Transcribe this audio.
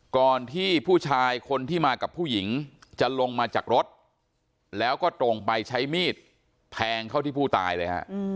ก่อนที่ผู้ชายคนที่มากับผู้หญิงจะลงมาจากรถแล้วก็ตรงไปใช้มีดแทงเข้าที่ผู้ตายเลยฮะ